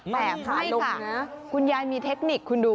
แผ่ผ่านลงนะคุณยายมีเทคนิคคุณดู